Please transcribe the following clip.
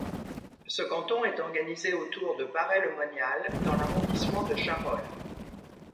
Ce canton est organisé autour de Paray-le-Monial dans l'arrondissement de Charolles.